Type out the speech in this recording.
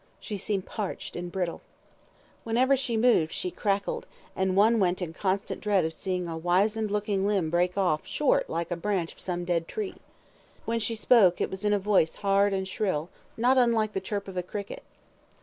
She seemed parched up and brittle. Whenever she moved she crackled, and one went in constant dread of seeing a wizen looking limb break off short like the branch of some dead tree. When she spoke it was in a voice hard and shrill, not unlike the chirp of a cricket.